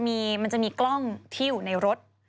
ที่อยู่ในรถ